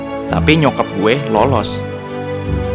jatuh miskin gak bikin nyokap gue berhenti menuangkan kopi ke cangkir bokap gue